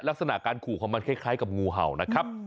ลักษณะการขู่ของมันคล้ายกับงูเห่านะครับ